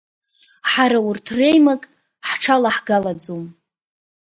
Ҳара урҭ реимак ҳҽалаҳгалаӡом.